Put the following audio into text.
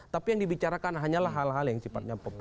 tapi yang dibicarakan hanyalah hal hal yang sifatnya populer